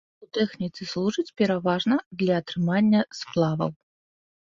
У тэхніцы служыць пераважна для атрымання сплаваў.